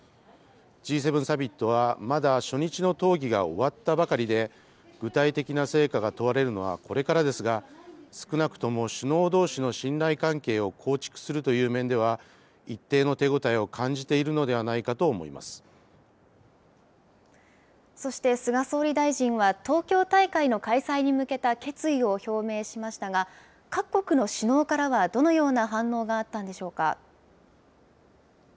Ｇ７サミットは、まだ初日の討議が終わったばかりで、具体的な成果が問われるのはこれからですが、少なくとも首脳どうしの信頼関係を構築するという面では、一定の手応えを感じているのではないかそして、菅総理大臣は東京大会の開催に向けた決意を表明しましたが、各国の首脳からはどのような反応があったんでしょうか。